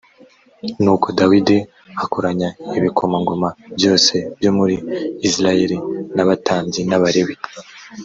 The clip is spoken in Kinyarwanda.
nuko dawidi akoranya ibikomangoma byose byo muri isirayeli n’abatambyi n’abalewi